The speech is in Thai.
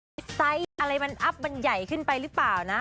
ไซส์อะไรมันอัพมันใหญ่ขึ้นไปหรือเปล่านะ